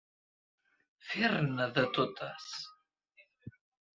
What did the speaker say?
Fer-ne de totes.